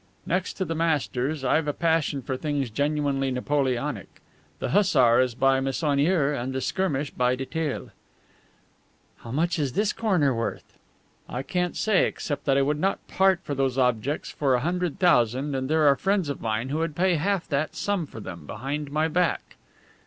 Next to the masters, I've a passion for things genuinely Napoleonic. The hussar is by Meissonier and the skirmish by Detaille." "How much is this corner worth?" "I can't say, except that I would not part with those objects for a hundred thousand; and there are friends of mine who would pay half that sum for them behind my back.